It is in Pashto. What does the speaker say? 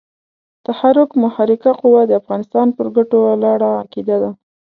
تحرک محرکه قوه د افغانستان پر ګټو ولاړه عقیده ده.